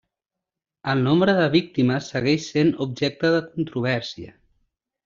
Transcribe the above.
El nombre de víctimes segueix sent objecte de controvèrsia.